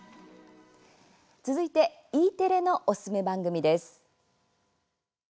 続いてＥテレのおすすめ番組です。